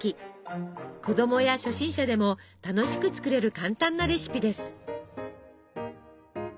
子供や初心者でも楽しく作れる簡単なレシピです。